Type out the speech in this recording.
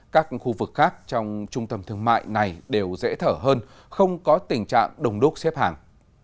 các khu vực khác trong trung tâm thương mại này đều dễ thở hơn không có tình trạng đồng đúc xếp hàng